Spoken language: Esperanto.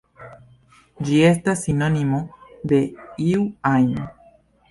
Ĝi estas sinonimo de "iu ajn".